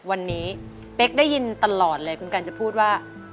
ไม่ได้ยินตลอดเลยคุณกันจะพูดว่า